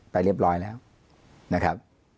ไปเรียบร้อยแล้วนะครับ